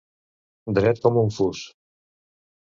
Dret com un fus.